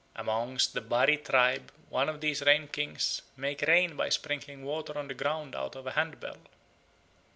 Amongst the Bari tribe one of these Rain Kings made rain by sprinkling water on the ground out of a handbell.